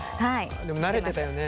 でも慣れてたよね。